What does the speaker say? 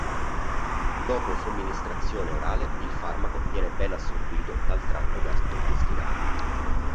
Dopo somministrazione orale il farmaco viene ben assorbito dal tratto gastrointestinale.